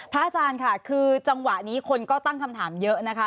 อาจารย์ค่ะคือจังหวะนี้คนก็ตั้งคำถามเยอะนะคะ